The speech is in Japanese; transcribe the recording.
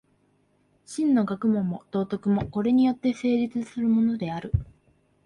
真の学問も道徳も、これによって成立するのである。